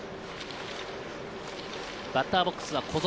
バッターボックスの小園。